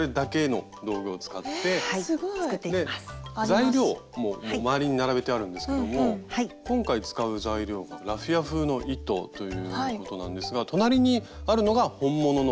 材料も周りに並べてあるんですけども今回使う材料がラフィア風の糸ということなんですが隣にあるのが本物のラフィア。